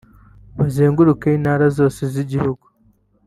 bazenguruka intara zose z’igihugu